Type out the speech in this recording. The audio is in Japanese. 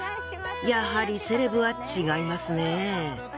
やはりセレブは違いますね。